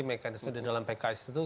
mekanisme di dalam pks itu